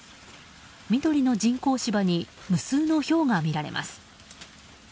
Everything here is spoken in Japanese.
緑の人工芝に無数のひょうが見られます。